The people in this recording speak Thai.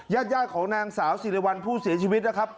ญาติของนางสาวสิริวัลผู้เสียชีวิตนะครับ